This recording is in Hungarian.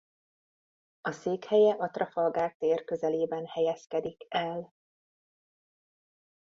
A székhelye a Trafalgar tér közelében helyezkedik el.